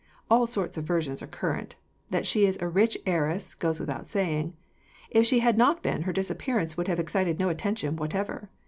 All sorts of versions are current. That she is a rich heiress goes without saying. If she had not been, her disappearance would have excited no attention whatever.